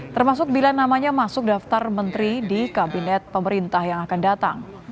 termasuk bila namanya masuk daftar menteri di kabinet pemerintah yang akan datang